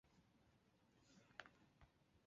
筱原爱实是出身于日本东京都的演员。